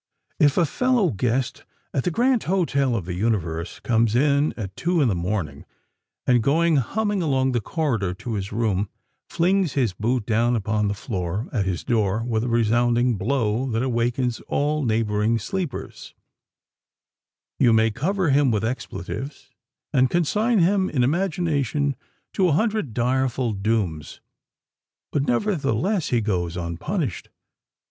If a fellow guest at the Grand Hotel of the Universe comes in at two in the morning, and going humming along the corridor to his room, flings his boot down upon the floor at his door with a resounding blow that awakens all neighboring sleepers, you may cover him with expletives, and consign him in imagination to a hundred direful dooms, but nevertheless he goes unpunished.